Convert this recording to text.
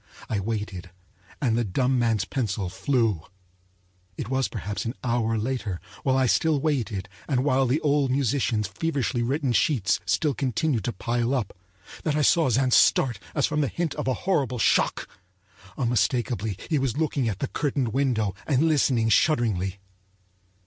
I waited, and the dumb man's pencil flew.It was perhaps an hour later, while I still waited and while the old musician's feverishly written sheets still continued to pile up, that I saw Zann start as from the hint of a horrible shock. Unmistakably he was looking at the curtained window and listening shudderingly.